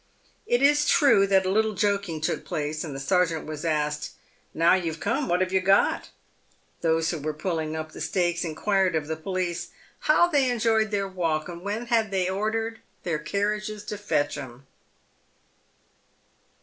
It is true that a little joking took place, and the sergeant was asked, "Now you've come, what have you got?" Those who were pulling up the stakes inquired of the police " How they enjoyed their walk, and when they had ordered their carriages to fetch 'em